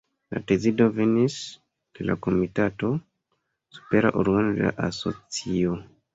La decido venis de la Komitato, supera organo de la Asocio.